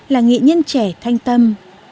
là nghệ nhân trẻ thanh tâm